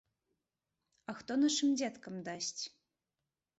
А хто нашым дзеткам дасць?